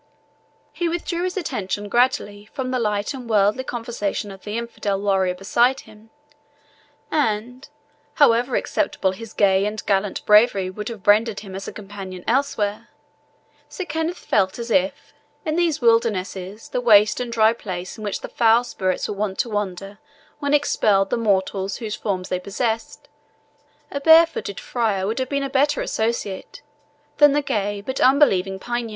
He withdrew his attention gradually from the light and worldly conversation of the infidel warrior beside him, and, however acceptable his gay and gallant bravery would have rendered him as a companion elsewhere, Sir Kenneth felt as if, in those wildernesses the waste and dry places in which the foul spirits were wont to wander when expelled the mortals whose forms they possessed, a bare footed friar would have been a better associate than the gay but unbelieving paynim.